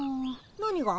何が？